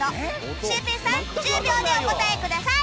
シュウペイさん１０秒でお答えください